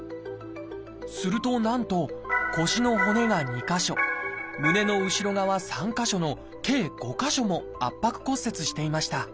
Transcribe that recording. するとなんと腰の骨が２か所胸の後ろ側３か所の計５か所も圧迫骨折していました。